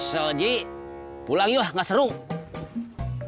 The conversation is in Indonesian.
sobererta itu pasuman gue berhormat